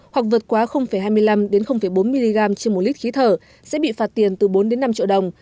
hoặc vượt quá hai mươi năm bốn mg trên một lít khí thở sẽ bị phạt tiền từ bốn năm triệu đồng